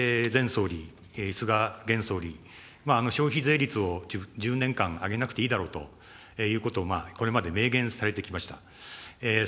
ですが、安倍前総理、菅現総理、消費税率を１０年間上げなくていいだろうということを、これまで明言されてきました。